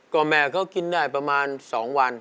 ก็แม่เขากินได้ประมาณ๒วัน